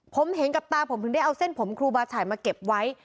ผมเห็นกับตาผมถึงได้เอาเส้นผมครูบาฉ่ายมาเก็บไว้